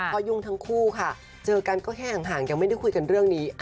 เพราะยุ่งทั้งคู่ค่ะเจอกันก็แค่ห่างยังไม่ได้คุยกันเรื่องนี้